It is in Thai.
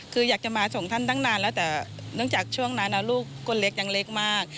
คืออยากจะมาส่งท่านตั้งนานแล้วแต่เนื่องจากช่วงนั้นลูกคนเล็กยังเล็กมาก